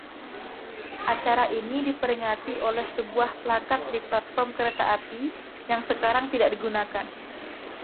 Acara ini diperingati oleh sebuah plakat di platform kereta api yang sekarang tidak digunakan.